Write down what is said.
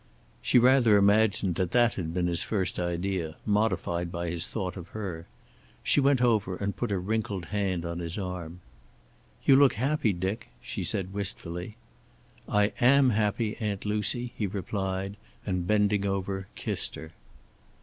She rather imagined that that had been his first idea, modified by his thought of her. She went over and put a wrinkled hand on his arm. "You look happy, Dick," she said wistfully. "I am happy, Aunt Lucy," he replied, and bending over, kissed her.